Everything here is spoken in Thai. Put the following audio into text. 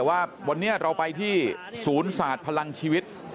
ว่าวันนี้เราไปที่ศูนย์ศาสตร์พลังชีวิต